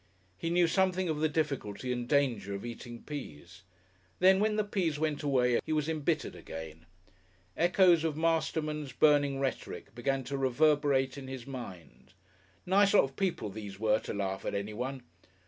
He knew something of the difficulty and danger of eating peas. Then, when the peas went away again he was embittered again.... Echoes of Masterman's burning rhetoric began to reverberate in his mind. Nice lot of people these were to laugh at anyone!